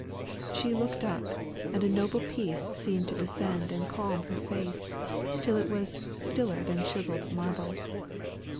She looked up, and a noble peace seemed to descend and calm her face, till it was "stiller than chiselled marble."